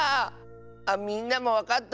みんなもわかった？